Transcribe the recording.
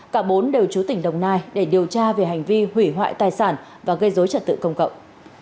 cả bốn đều chú tỉnh đồng nai để điều tra về hành vi hủy hoại tài sản và gây dối trật tự công cộng